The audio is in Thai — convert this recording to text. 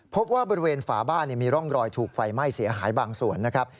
พบว่าบริเวณฝาบ้านมีร่องรอยถูกไฟไหม้เสียหายบางส่วนนะครับ